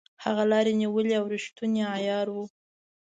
هغه لاري نیولې او ریښتونی عیار وو.